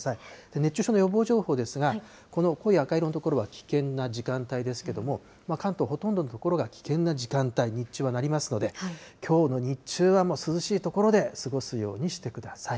熱中症の予防情報ですが、この濃い赤色の所は危険な時間帯ですけども、関東、ほとんどの所が危険な時間帯に日中はなりますので、きょうの日中は涼しい所で過ごすようにしてください。